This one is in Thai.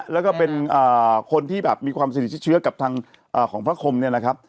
แล้วก็เป็นคนที่แบบมีความสนิทชิดเชื้อกับทางของพระคมเนี่ยนะครับ